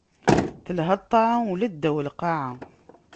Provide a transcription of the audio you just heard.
Telha ṭṭaɛa, ula ddaw lqaɛa.